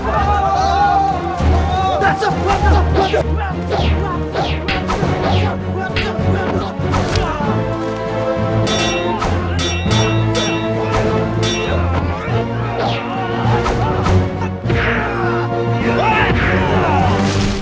ada orang yang jalan